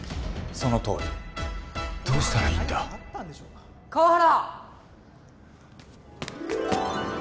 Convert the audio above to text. そのとおりどうしたらいいんだ川原！